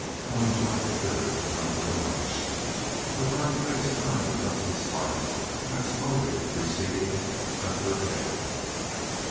Ellen Jorth quivered as under a lash, and her brown face turned a dusty scarlet, that slowly receding left her pale.